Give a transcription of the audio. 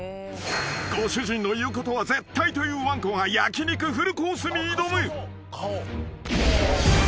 ［ご主人の言うことは絶対というわんこが焼き肉フルコースに挑む］